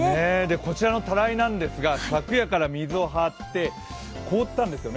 こちらのたらいなんですが昨夜から水を張って凍ったんですよね。